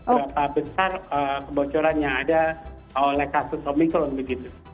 berapa besar kebocoran yang ada oleh kasus omikron begitu